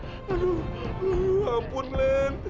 aduh ampun klen